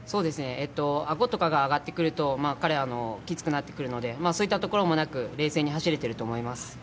あごとかが上がってくると彼、きつくなってくるのでそういったところもなく冷静に走れてると思います。